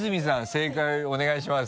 正解お願いします。